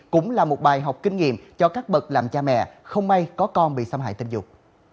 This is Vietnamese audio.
cũng là một bài học kinh nghiệm cho các bậc làm cha mẹ không may có con bị xâm hại tình dục